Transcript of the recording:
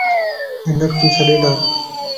ھنک تو ڇڏي ڊار